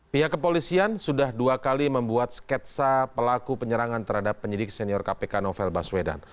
pihak kepolisian sudah dua kali membuat sketsa pelaku penyerangan terhadap penyidik senior kpk novel baswedan